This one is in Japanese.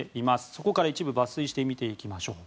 そこから一部抜粋して見ていきましょう。